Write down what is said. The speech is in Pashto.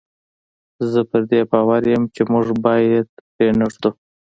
زه پر دې باور یم چې موږ باید پرې نه ږدو.